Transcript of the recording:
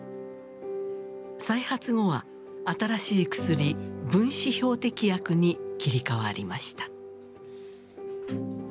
再発後は新しい薬分子標的薬に切り替わりました。